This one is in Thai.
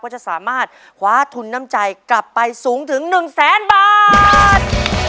จะสามารถคว้าทุนน้ำใจกลับไปสูงถึง๑แสนบาท